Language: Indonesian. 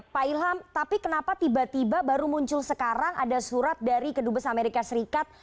pak ilham tapi kenapa tiba tiba baru muncul sekarang ada surat dari kedubes amerika serikat